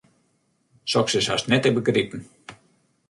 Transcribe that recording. Soks is hast net te begripen.